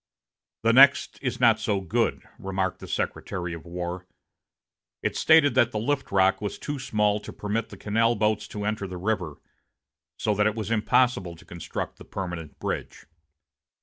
"The next is not so good," remarked the Secretary of War. It stated that the lift lock was too small to permit the canal boats to enter the river, so that it was impossible to construct the permanent bridge.